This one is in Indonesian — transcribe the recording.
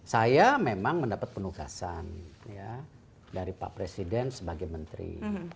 saya memang mendapat penugasan dari pak presiden sebagai menteri